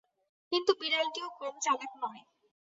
কিন্তু বিড়ালটিও কম চালাক নয়।